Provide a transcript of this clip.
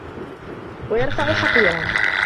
وَيَرْفَعَ حَقِيرًا